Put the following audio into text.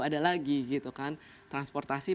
ada lagi gitu kan transportasi